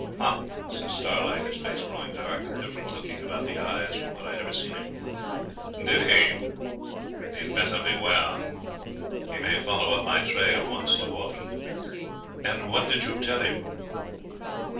'Ha!' says Starlight, his face growing dark, and different looking about the eyes from what I'd ever seen him, 'did he? He'd better beware. He may follow up my trail once too often. And what did you tell him?'